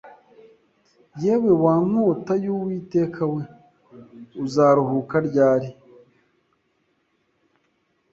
Yewe wa nkota y Uwiteka we uzaruhuka ryari